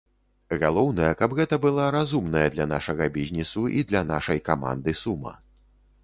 Галоўнае, каб гэта была разумная для нашага бізнесу і для нашай каманды сума.